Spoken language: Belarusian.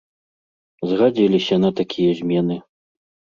Згадзіліся на такія змены.